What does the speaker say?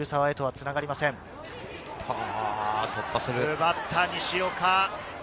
奪った西岡。